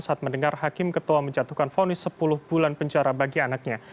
saat mendengar hakim ketua menjatuhkan fonis sepuluh bulan penjara bagi anaknya